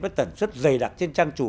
với tẩn xuất dày đặc trên trang chủ